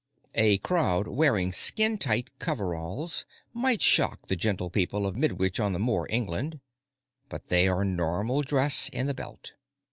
A crowd wearing skin tight cover alls might shock the gentle people of Midwich on the Moor, England, but they are normal dress in the Belt.